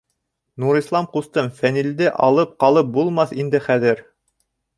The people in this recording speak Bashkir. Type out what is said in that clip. — Нурислам ҡустым, Фәнилде алып ҡалып булмаҫ инде хәҙер.